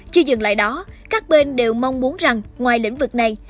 chưa dừng lại đó các bên đều mong muốn rằng ngoài lĩnh vực này